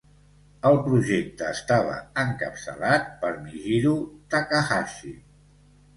El projecte estava encapçalat per Mijiro Takahashi.